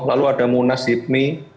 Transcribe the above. lalu ada munas hidmi